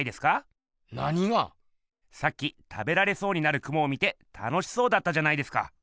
さっき食べられそうになるクモを見て楽しそうだったじゃないですか。